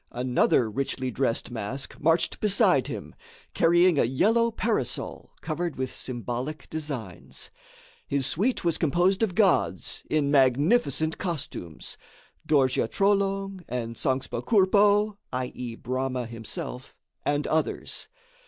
Another richly dressed mask marched beside him, carrying a yellow parasol covered with symbolic designs. His suite was composed of gods, in magnificent costumes; Dorje Trolong and Sangspa Kourpo (i.e., Brahma himself), and others.